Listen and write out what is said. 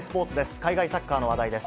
海外サッカーの話題です。